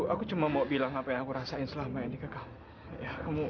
aku cuma mau bilang apa yang aku rasain selama ini ke kamu